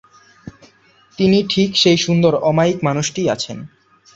তিনি ঠিক সেই সুন্দর অমায়িক মানুষটিই আছেন।